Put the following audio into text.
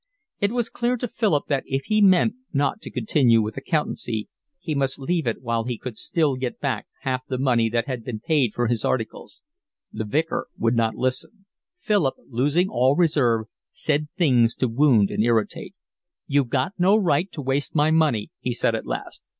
It was clear to Philip that if he meant not to continue with accountancy he must leave it while he could still get back half the money that had been paid for his articles. The Vicar would not listen. Philip, losing all reserve, said things to wound and irritate. "You've got no right to waste my money," he said at last.